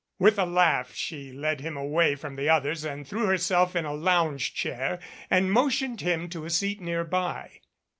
With a laugh she led him away from the others and threw herself in a lounge chair and motioned him to a seat nearby.